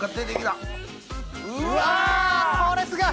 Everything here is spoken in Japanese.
うわそれすごい！